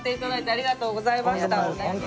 ありがとうございます。